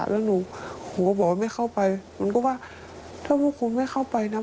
แล้วหนูก็บอกไม่เข้าไปหนูก็ว่าถ้าพวกคุณไม่เข้าไปนะ